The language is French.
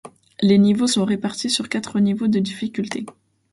Les niveaux sont répartis sur quatre niveaux de difficulté.